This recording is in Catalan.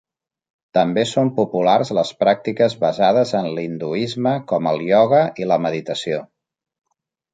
També són populars les pràctiques basades en l'hinduisme, com el ioga i la meditació.